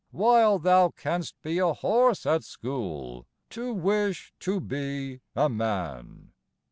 While thou canst be a horse at school, To wish to be a man!